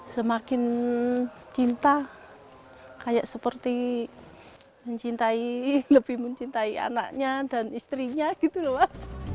semakin cinta kayak seperti mencintai lebih mencintai anaknya dan istrinya gitu loh mas